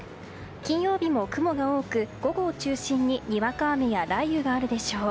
金曜日も雲が多く午後を中心ににわか雨や雷雨があるでしょう。